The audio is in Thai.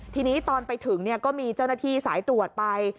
ทีนี้ตอนไปถึงก็มีเจ้าหน้าที่สายตรวจไป